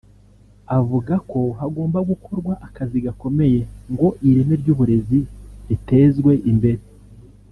Avuga ko hagomba gukorwa akazi gakomeye ngo ireme ry’uburezi ritezwe imbere